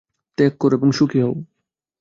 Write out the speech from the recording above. ত্যাগ কর এবং সুখী হও।